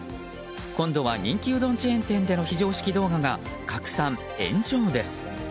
今度は人気うどんチェーン店での非常識動画が拡散、炎上です。